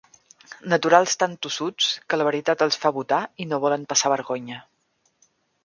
Naturals tan tossuts que la veritat els fa botar i no volen passar vergonya.